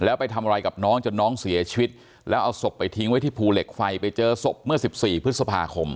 แล้วไปทำอะไรกับน้องจนน้องเสียชีวิตแล้วเอาศพไปทิ้งไว้ที่ภูเหล็กไฟไปเจอศพเมื่อ๑๔พฤษภาคม